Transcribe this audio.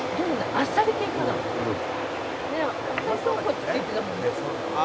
「あっさりとんこつって言ってたもんね」